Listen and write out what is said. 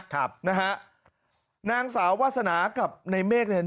ครับนะฮะนางสาววาสนากับในเมฆเนี่ย